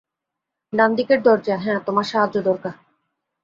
ডান দিকের দরজা, হ্যা - তোমার সাহায্য দরকার?